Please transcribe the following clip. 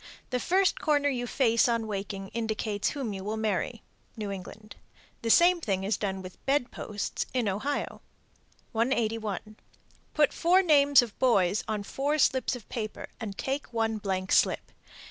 The first corner you face on waking indicates whom you will marry. (New England.) The same thing is done with the bed posts in Ohio. 181. Put four names of boys on four slips of paper and take one blank slip.